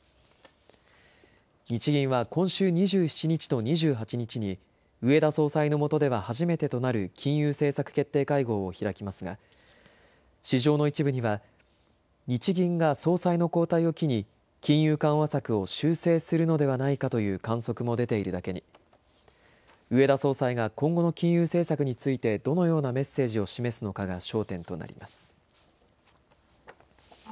日銀は今週２７日と２８日に植田総裁のもとでは初めてとなる金融政策決定会合を開きますが市場の一部には日銀が総裁の交代を機に金融緩和策を修正するのではないかという観測も出ているだけに植田総裁が今後の金融政策についてどのようなメッセージを示すのかが焦点となります。